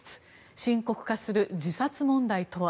深刻化する自殺問題とは。